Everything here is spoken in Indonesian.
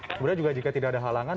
kemudian juga jika tidak ada halangan